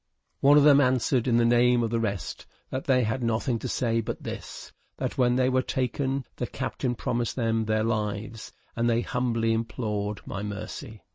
One of them answered in the name of the rest, that they had nothing to say but this, that when they were taken the captain promised them their lives, and they humbly implored my mercy.